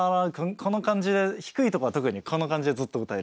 この感じで低いとこは特にこんな感じでずっと歌えるっていう。